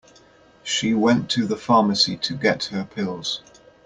She went to the pharmacy to get her pills.